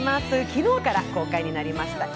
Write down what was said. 昨日から公開になりました